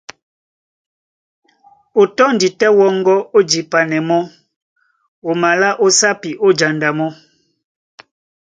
O tɔ́ndi tɛ́ wɔ́ŋgɔ́ ó jipanɛ mɔ́, o malá ó sápi, ó janda mɔ́.